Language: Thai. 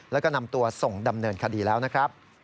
แล้วก็นำตัวส่งดำเนินคดีแล้วนะครับ